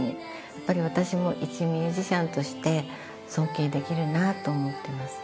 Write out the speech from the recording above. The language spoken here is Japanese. やっぱり私もいちミュージシャンとして尊敬できるなと思ってますね。